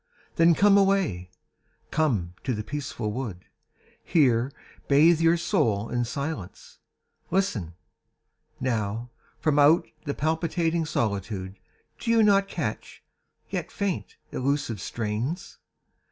Then come away, come to the peaceful wood, Here bathe your soul in silence. Listen! Now, From out the palpitating solitude Do you not catch, yet faint, elusive strains?